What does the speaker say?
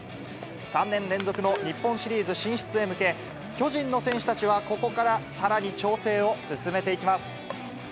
３年連続の日本シリーズ進出へ向け、巨人の選手たちはここからさらに調整を進めていきます。